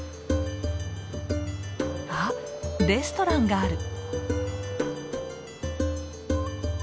あレストランがある。